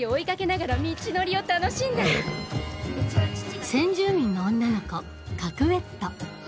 先住民の女の子カクウェット